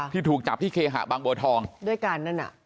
ที่ถูกจับที่เคหะบางโบทองด้วยการนั้นน่ะ